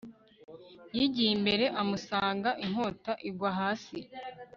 yigiye imbere amusanga inkota igwa hasi